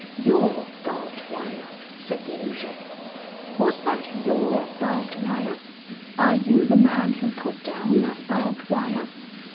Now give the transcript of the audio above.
"Your barbed wire," said the Angel. "Was that your barbed wire? Are you the man who put down that barbed wire?